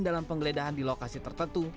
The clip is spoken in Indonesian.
dalam penggeledahan di lokasi tertentu